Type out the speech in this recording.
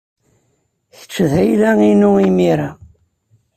Kečč d ayla-inu imir-a.